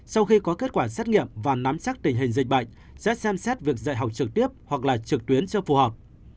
sau khi có kết quả xét nghiệm và nắm chắc tình hình dịch bệnh sẽ xem xét việc dạy học trực tiếp hoặc là trực tuyến cho phù hợp